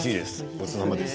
ごちそうさまです。